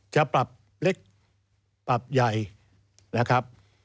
จะปรับเล็กปรับใหญ่นะครับ